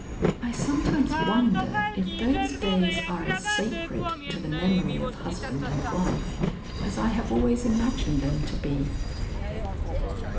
I sometimes wonder if those days are as sacred to the memory of husband and wife as I have always imagined them to be."